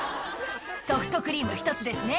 「ソフトクリーム１つですね